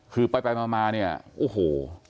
คือไปมาเนี่ยโอ้โห